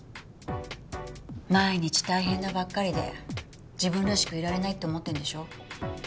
毎日大変なばっかりで自分らしくいられないって思ってるんでしょ？